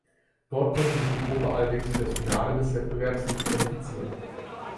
Dort konnte sich die Gruppe allerdings für das Finale des Wettbewerbs nicht qualifizieren.